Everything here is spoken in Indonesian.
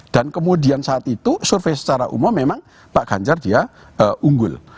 dan kemudian saat itu survei secara umum memang pak ganjar dia unggul